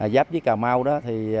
giáp với cà mau đó thì